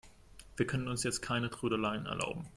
Wir können uns jetzt keine Trödeleien erlauben.